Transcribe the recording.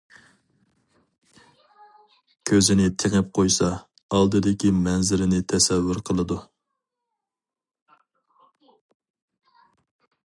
كۆزىنى تېڭىپ قويسا، ئالدىدىكى مەنزىرىنى تەسەۋۋۇر قىلىدۇ.